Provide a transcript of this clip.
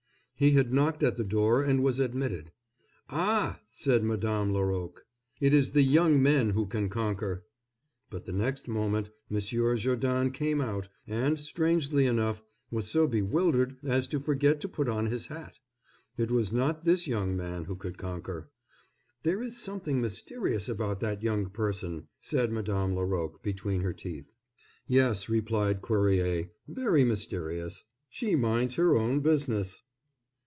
He had knocked at the door and was admitted. "Ah!" said Madame Laroque, "it is the young men who can conquer." But the next moment Monsieur Jourdain came out, and, strangely enough, was so bewildered as to forget to put on his hat. It was not this young man who could conquer. "There is something mysterious about that young person," said Madame Laroque between her teeth. "Yes," replied Cuerrier, "very mysterious—she minds her own business."